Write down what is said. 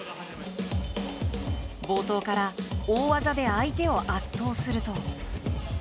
冒頭から大技で相手を圧倒すると。